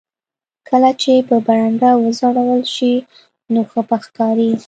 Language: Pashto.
کله چې په برنډه وځړول شي نو ښه به ښکاري